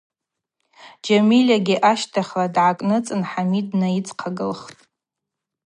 Джьамильагьи ащтахьла дгӏакӏныцӏын Хӏамид днайыдзхъагылтӏ.